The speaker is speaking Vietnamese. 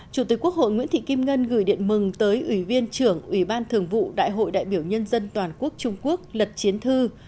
chủ tịch quốc hội nguyễn thị kim ngân gửi điện mừng tới ủy viên trưởng ủy ban thường vụ đại hội đại biểu nhân dân toàn quốc trung quốc lật chiến thư